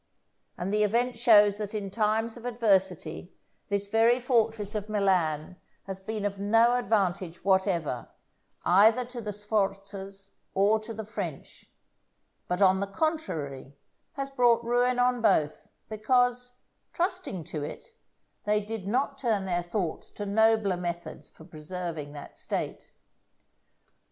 And the event shows that in times of adversity this very fortress of Milan has been of no advantage whatever, either to the Sforzas or to the French; but, on the contrary, has brought ruin on both, because, trusting to it, they did not turn their thoughts to nobler methods for preserving that State.